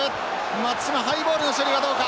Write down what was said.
松島ハイボールの処理はどうか？